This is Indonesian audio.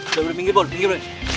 udah udah pinggir bol pinggir